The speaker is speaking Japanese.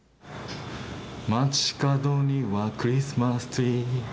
街角にはクリスマスツリー。